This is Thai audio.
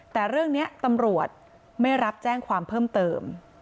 แต่เรื่องนี้ตำรวจไม่รับแจ้งความเพิ่มเติม